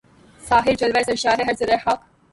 ساغر جلوۂ سرشار ہے ہر ذرۂ خاک